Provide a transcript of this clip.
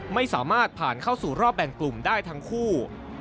ไม่สามารถผ่านเข้าสู่รอบแบ่งกลุ่มได้ทั้งคู่